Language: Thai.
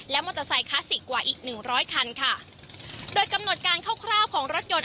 มอเตอร์ไซค์คลาสสิกกว่าอีกหนึ่งร้อยคันค่ะโดยกำหนดการคร่าวคร่าวของรถยนต์